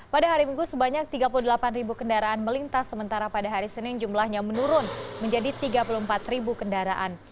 pada hari minggu sebanyak tiga puluh delapan ribu kendaraan melintas sementara pada hari senin jumlahnya menurun menjadi tiga puluh empat ribu kendaraan